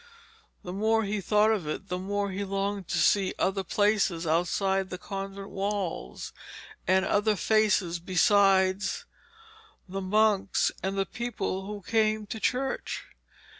The more he thought of it, the more he longed to see other places outside the convent walls, and other faces besides the monks and the people who came to church.